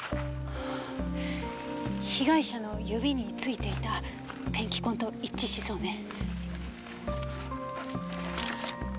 被害者の指についていたペンキ痕と一致しそうね。